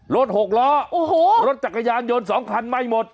รถหกล่อโอ้โหรถจักรยานยนต์๒คันไม่หมด